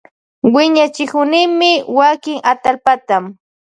Wiñachikunimi wakin atallpata.